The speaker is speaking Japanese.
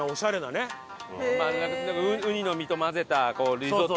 うにの身と混ぜたリゾット風な。